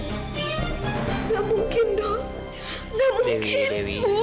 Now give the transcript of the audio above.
gak mungkin dok